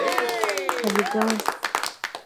الوگان